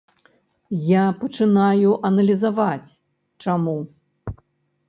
Я пачынаю аналізаваць, чаму.